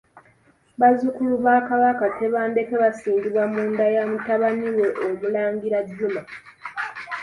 Bazzukulu ba Kabaka Tebandeke basingibwa mu nda ya mutabani we Omulangira Juma.